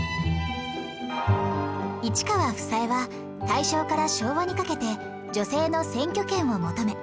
市川房枝は大正から昭和にかけて女性の選挙権を求め